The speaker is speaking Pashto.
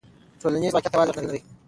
ټولنیز واقعیت یوازې یو خیال نه دی.